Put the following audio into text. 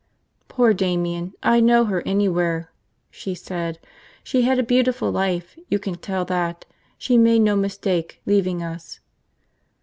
"Poor Damian. I'd know her anywhere," she said. "She had a beautiful life, you can tell that. She made no mistake, leaving us."